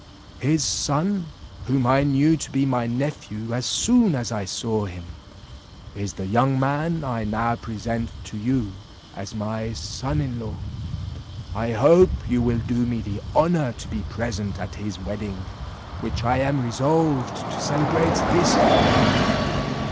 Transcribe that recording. His son, whom I knew to be my nephew as soon as I saw him, is the young man I now present to you as my son in law. I hope you will do me the honour to be present at his wedding, which I am resolved to celebrate this day."